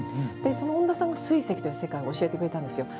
おんださんが水石という世界を教えてくれたんです。